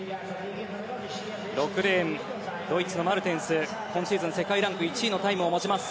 ６レーン、ドイツのマルテンスは今シーズン世界ランク１位のタイムを持ちます。